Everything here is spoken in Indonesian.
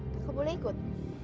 kaka boleh ikut